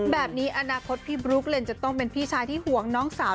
แบบนี้อนาคตพี่บลุ๊กเลนจะต้องเป็นพี่ชายที่ห่วงน้องสาว